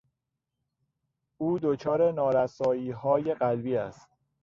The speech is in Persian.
او دچار نارساییهای قلبی است.